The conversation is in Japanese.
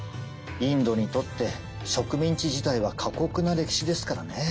インドにとって植民地時代は過酷な歴史ですからね。